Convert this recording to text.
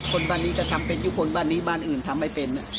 คนบ้านนี้ก็ทำเป็นทุกคนบ้านนี้บ้านอื่นทำไม่เป็น